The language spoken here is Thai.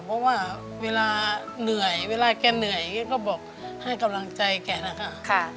เพราะว่าเวลาเหนื่อยเวลาแกเหนื่อยอย่างนี้ก็บอกให้กำลังใจแกนะคะ